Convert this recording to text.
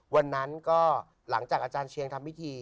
วันนั้นก็หลังจากอาจารย์เชียงทำพิธี